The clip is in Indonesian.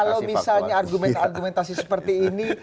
kalau misalnya argumen argumentasi seperti ini